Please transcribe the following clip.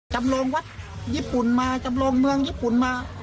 จำลองวัดญี่ปุ่นมาจำลองเมืองญี่ปุ่นมา